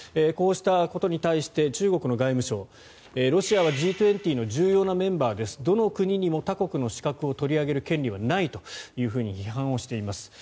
こうしたことに対して中国の外務省はロシアはＧ２０の重要なメンバーですどの国にも他国の資格を取り上げる権利はないと批判をしています。